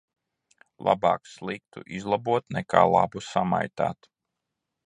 Labāk sliktu izlabot nekā labu samaitāt.